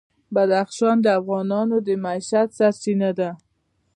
بدخشان د افغانانو د معیشت سرچینه ده.